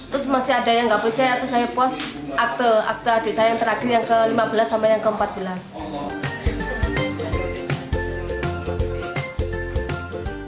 terus masih ada yang nggak percaya atau saya pos akte akte adik saya yang terakhir yang ke lima belas sampai yang ke empat belas